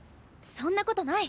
そんなことない。